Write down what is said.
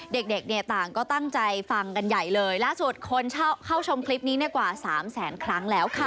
เด็กต่างก็ตั้งใจฟังกันใหญ่เลยล่าสูตรคนเข้าชมคลิปนี้กว่า๓แสนครั้งแล้วค่ะ